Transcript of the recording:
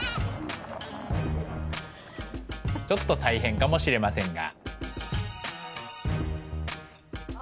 ちょっと大変かもしれませんが。